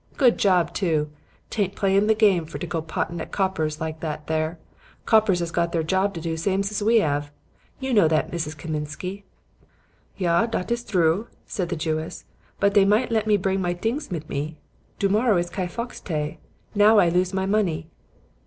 Good job too. Tain't playin' the game for to go pottin' at the coppers like that there. Coppers 'as got their job to do same as what we 'ave. You know that, Mrs. Kosminsky.' "'Ja, dat is droo,' said the Jewess; 'but dey might let me bring my dings mit me. Do morrow is Ky fox tay. Now I lose my money.'